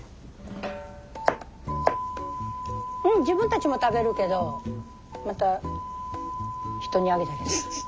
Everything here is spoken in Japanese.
自分たちも食べるけどまた人にあげたりする。